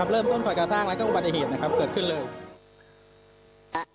เริ่มต้นปล่อยการสร้างแล้วก็อุบัติเหตุนะครับเกิดขึ้นเลย